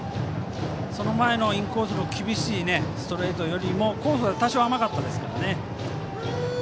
その前の、インコースの厳しいストレートよりもコースは多少甘かったですからね。